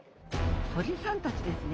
鳥さんたちですね。